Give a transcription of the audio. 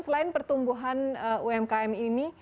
selain pertumbuhan umkm ini